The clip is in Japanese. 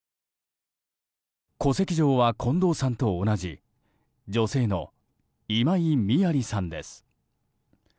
戸籍上は近藤さんと同じ女性の今井美亜里さんです。